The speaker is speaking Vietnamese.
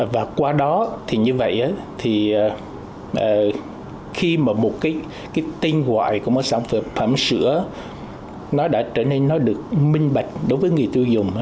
và qua đó thì như vậy thì khi mà một cái tên gọi của một sản phẩm sữa nó đã trở nên nó được minh bạch đối với người tiêu dùng